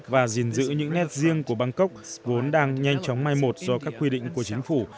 và gìn giữ những nét riêng của bangkok vốn đang nhanh chóng mai một do các quy định của chính phủ